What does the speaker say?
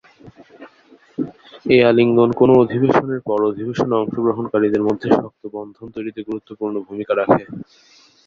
এই আলিঙ্গন কোনো অধিবেশনের পর; অধিবেশনে অংশগ্রহণকারীদের মধ্যে শক্ত বন্ধন তৈরীতে গুরুত্বপূর্ণ ভূমিকা রাখে।